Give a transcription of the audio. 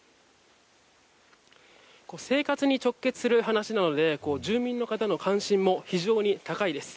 生活に直結する話なので住民の方の関心も非常に高いです。